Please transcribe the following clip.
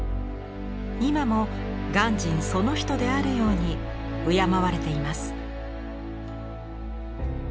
今も鑑真その人であるように敬われています。